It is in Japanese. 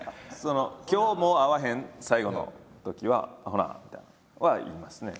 今日もう会わへん最後のときは「ほな」みたいなんは言いますね。